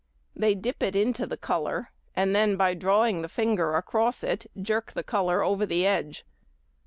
They dip it into the colour, and then by drawing the finger across it jerk the colour over the edge.